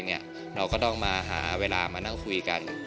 เราก็ต้องมาหาเวลามานั่งคุยกัน